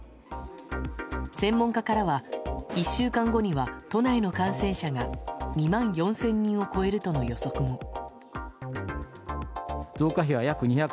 専門家からは１週間後には都内の感染者が２万４０００人を超えるとの予測も。